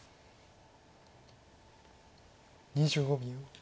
２５秒。